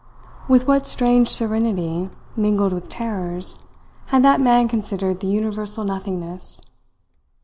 With what strange serenity, mingled with terrors, had that man considered the universal nothingness!